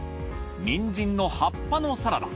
にんじんの葉っぱのサラダ。